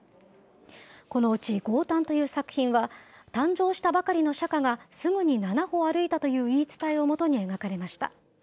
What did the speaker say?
このうち降誕という作品は、誕生したばかりの釈迦がすぐに７歩歩いたという言い伝えを基に描かれました。